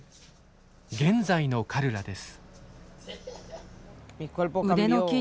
現在のカルラです。